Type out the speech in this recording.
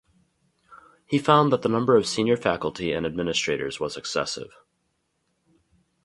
He found that the number of senior faculty and administrators was excessive.